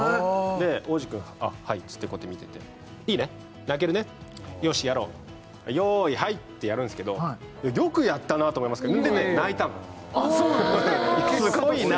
央士くん「あっはい」っつってこうやって見てて「いいね泣けるね？よしやろう」「用意はい」ってやるんですけどよくやったなと思いますけどでね泣いたのあっそうなんですね